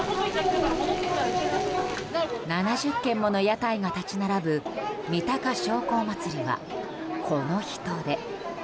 ７０軒もの屋台が立ち並ぶみたか商工まつりはこの人出。